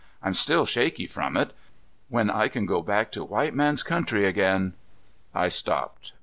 I'm still shaky from it. When I can go back to white man's country again " I stopped.